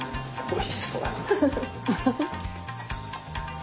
おいしそうだな。